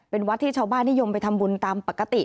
เป็นวัดที่ชาวบ้านนิยมไปทำบุญตามปกติ